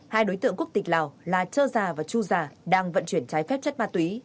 hai đối tượng quốc tịch lào là trơ già và chu già đang vận chuyển trái phép chất ma túy